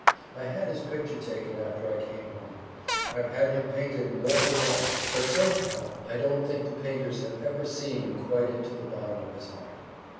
I had his picture taken after I came home. I've had him painted more than once, but somehow I don't think the painters have ever seen quite into the bottom of his heart.